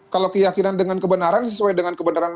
kalau keyakinan dengan kebenaran sesuai dengan kebenaran